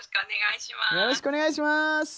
よろしくお願いします。